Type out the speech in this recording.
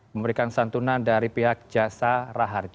memberikan santunan dari pihak jasa raharja